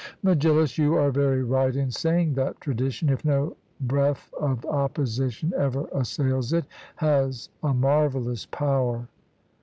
MEGILLUS: You are very right in saying that tradition, if no breath of opposition ever assails it, has a marvellous power.